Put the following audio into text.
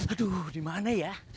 aduh dimana ya